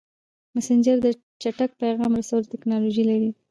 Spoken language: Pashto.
مسېنجر د چټک پیغام رسولو ټکنالوژي لري.